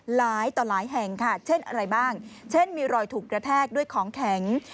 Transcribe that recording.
หลายต่อหลายแห่งค่ะเช่นอะไรบ้างเช่นมีรอยถูกกระแทกด้วยของแข็ง